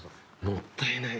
もったいない。